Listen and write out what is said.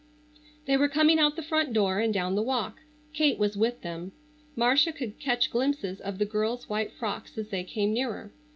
They were coming out the front door and down the walk. Kate was with them. Marcia could catch glimpses of the girls' white frocks as they came nearer.